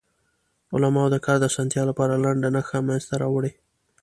علماوو د کار د اسانتیا لپاره لنډه نښه منځ ته راوړه.